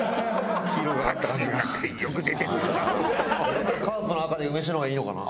やっぱりカープの赤で梅酒の方がいいのかな？